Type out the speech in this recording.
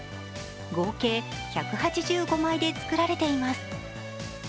合計１８５枚で作られています。